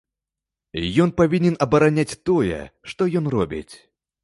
Ён павінен абараняць тое, што ён робіць!